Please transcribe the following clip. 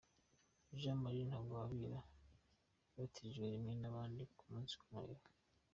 Jean Marie Ntagwabira yabatirijwe rimwe n'abandi ku munsi wa Noheli.